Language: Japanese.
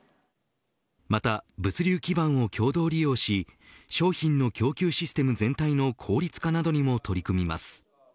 また物流基盤を共同利用し商品の供給システム全体の効率化などにも取り組みます。